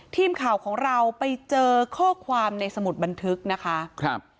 ทีมข่าวของเราไปเจอข้อความในสมุดบันทึกนะคะครับ